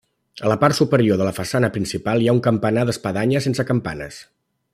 A la part superior de la façana principal hi ha un campanar d'espadanya sense campanes.